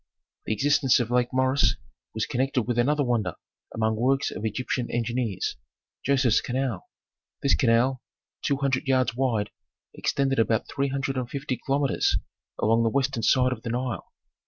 The existence of Lake Moeris was connected with another wonder among works of Egyptian engineers, Joseph's canal. This canal, two hundred yards wide, extended about three hundred and fifty kilometres along the western side of the Nile.